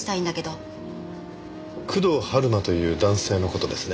工藤春馬という男性の事ですね。